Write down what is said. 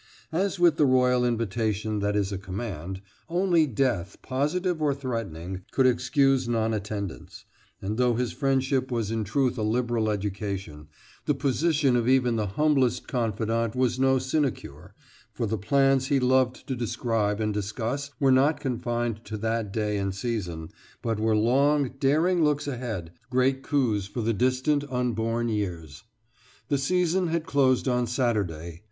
As with the royal invitation that is a command, only death positive or threatening could excuse non attendance; and though his friendship was in truth a liberal education, the position of even the humblest confidant was no sinecure, for the plans he loved to describe and discuss were not confined to that day and season, but were long, daring looks ahead; great coups for the distant, unborn years. The season had closed on Saturday.